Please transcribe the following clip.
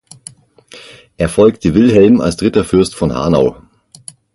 Er folgte Wilhelm als dritter Fürst von Hanau.